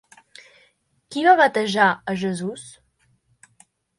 Qui va batejar a Jesús?